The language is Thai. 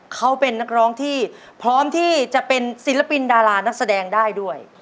เขาเป็นนักร้องที่พร้อมที่จะเป็นศิลปินดารานักแสดงได้ด้วย